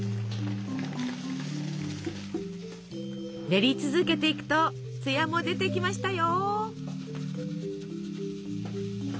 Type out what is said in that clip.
練り続けていくとつやも出てきましたよ。